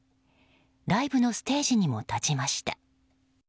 ライブのステージにも立ちました。